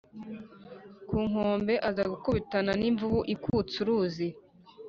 ku nkombe aza gukubitana n'imvubu ikutse uruzi